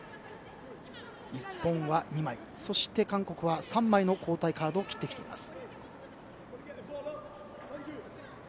日本は２枚、韓国は３枚の交代カードを切ってきています。